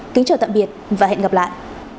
kính chào tạm biệt và hẹn gặp lại